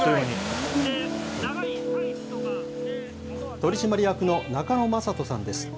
取締役の中野壮人さんです。